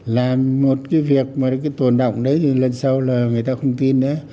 làm một cái việc mà cái tồn động đấy thì lần sau là người ta không tin nữa